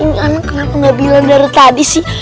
ini anak kenapa gak bilang dari tadi sih